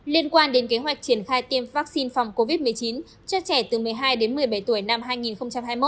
liên quan đến kế hoạch triển khai tiêm vaccine phòng covid một mươi chín cho trẻ từ một mươi hai đến một mươi bảy tuổi năm hai nghìn hai mươi một hai nghìn hai mươi hai